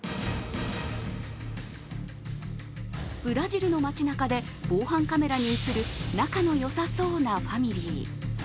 ブラジルの街なかで防犯カメラに映る仲のよさそうなファミリー。